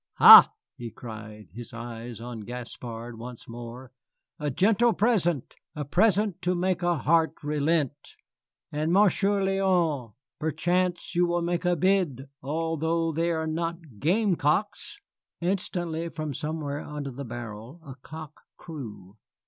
"Ha!" he cried, his eyes on Gaspard once more, "a gentle present a present to make a heart relent. And Monsieur Léon, perchance you will make a bid, although they are not gamecocks." Instantly, from somewhere under the barrel, a cock crew.